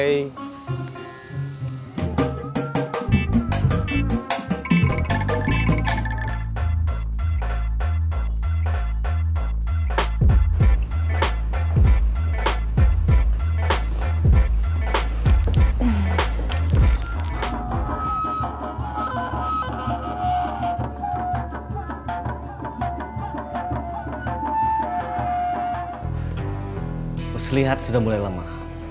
terus liat sudah mulai lama